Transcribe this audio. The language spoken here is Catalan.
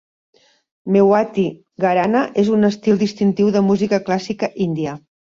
Mewati Gharana és un estil distintiu de música clàssica índia.